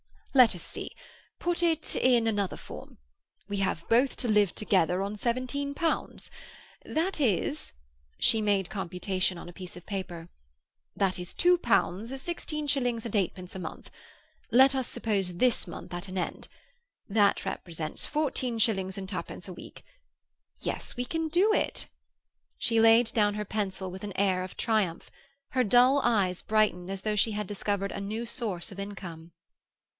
"Let us see. Put it in another form. We have both to live together on seventeen pounds. That is—" she made a computation on a piece of paper—"that is two pounds, sixteen shillings and eightpence a month—let us suppose this month at an end. That represents fourteen shillings and twopence a week. Yes, we can do it!" She laid down her pencil with an air of triumph. Her dull eyes brightened as though she had discovered a new source of income.